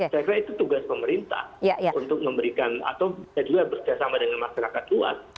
saya kira itu tugas pemerintah untuk memberikan atau saya juga bersama dengan masyarakat tua